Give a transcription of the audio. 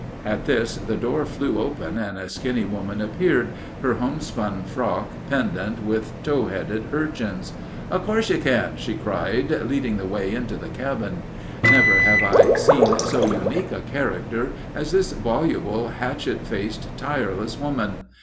At this the door flew open and a skinny woman appeared, her homespun frock pendent with tow headed urchins. "In course you can," she cried, leading the way into the cabin. Never have I seen so unique a character as this voluble, hatched faced, tireless woman.